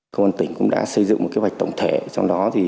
công an tỉnh cũng đã xây dựng một kế hoạch tổng thể trong đó